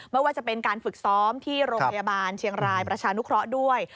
ไม่ว่าจะเป็นการฝึกซ้อมที่โรงพยาบาลเชียงรายประชานุเคราะห์ด้วย